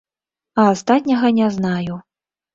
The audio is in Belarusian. А астатняга не знаю.